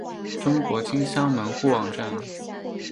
中国金乡门户网站